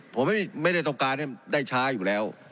ผมไม่ได้ต้องการให้ได้ช้าอยู่แล้ว